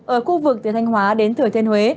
ở khu vực từ thanh hóa đến thừa thiên huế